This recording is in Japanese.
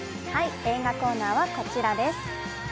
映画コーナーはこちらです。